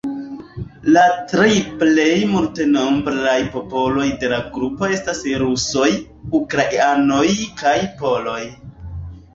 La tri plej multnombraj popoloj de la grupo estas rusoj, ukrainoj kaj poloj.